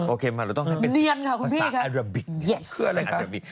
โอเคเราต้องให้เป็นภาษาอาระบี